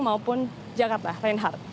maupun jakarta reinhardt